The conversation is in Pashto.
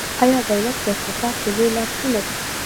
آیا دولت په اقتصاد کې لوی لاس نلري؟